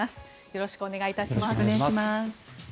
よろしくお願いします。